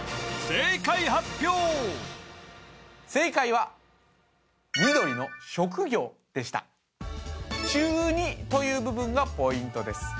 正解発表正解は緑の職業でした「中二」という部分がポイントです